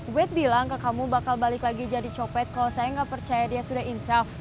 wet bilang ke kamu bakal balik lagi jadi copet kalau saya nggak percaya dia sudah insoft